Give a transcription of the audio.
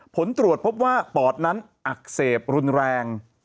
ผลตรวจพบว่าปอดนั้นอักเสบรุนแรง